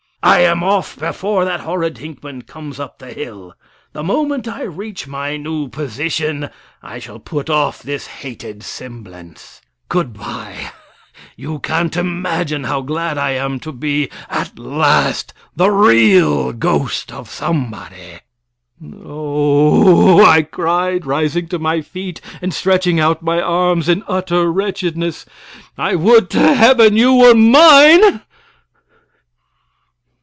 I am off before that horrid Hinckman comes up the hill. The moment I reach my new position, I shall put off this hated semblance. Good by. You can't imagine how glad I am to be, at last, the real ghost of somebody." "Oh!" I cried, rising to my feet, and stretching out my arms in utter wretchedness, "I would to Heaven you were mine!"